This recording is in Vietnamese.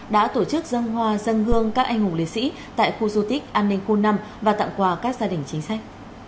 đã tổ chức dân hoa dân hương các anh hùng liệt sĩ tại khu du tích an ninh khu năm và tặng quà các gia đình chính sách